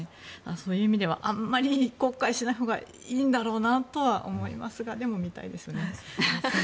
そういう意味ではあまり公開しないほうがいいんだろうなとは思いますがでも、見たいですね。